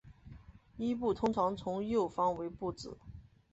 殳部通常从右方为部字。